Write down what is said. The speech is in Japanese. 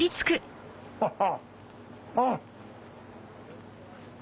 ハハ！